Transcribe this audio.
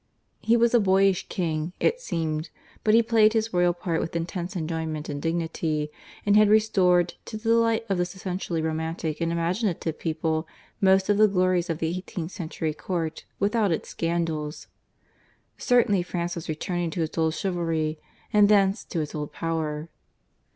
He was a boyish king, it seemed, but he played his royal part with intense enjoyment and dignity, and had restored, to the delight of this essentially romantic and imaginative people, most of the glories of the eighteenth century court, without its scandals. Certainly France was returning to its old chivalry, and thence to its old power.